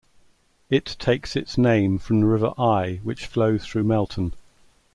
It takes its name from the River Eye which flows through Melton.